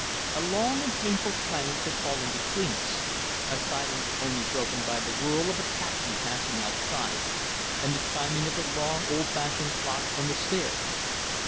A long and painful silence had fallen between us, a silence only broken by the whirl of a taxi passing outside and the chiming of the long, old fashioned clock on the stairs.